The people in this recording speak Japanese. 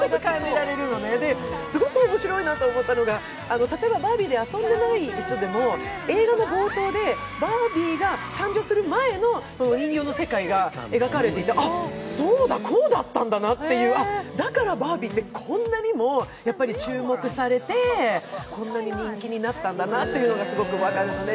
で、すごく面白いなと思ったのがバービーで遊んでない人でも、映画の冒頭でバービーが誕生する前の人形の世界が描かれていて、あっ、そうだ、こうだったんだなと、だからバービーってこんなにも注目されてこんなに人気になったんだなっていうのが分かるんだよね。